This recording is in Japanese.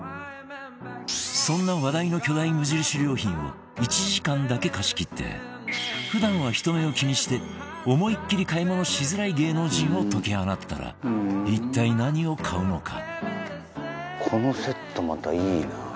そんな話題の巨大無印良品を１時間だけ貸し切って普段は人目を気にして思いっきり買い物しづらい芸能人を解き放ったら一体何を買うのか？